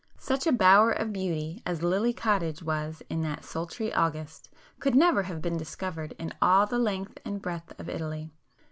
Such a bower of beauty as Lily Cottage was in that sultry August, could never have been discovered in all the length and breadth of Italy.